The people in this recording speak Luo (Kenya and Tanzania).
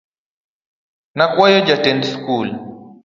Nokwayo jatend skul.